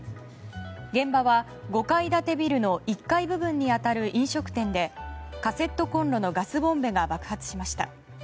現場は５階建てビルの１階部分に当たる飲食店でカセットコンロのガスボンベが爆発しました。